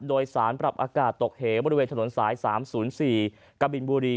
โดยสารปรับอากาศตกเหวบริเวณถนนสาย๓๐๔กบินบุรี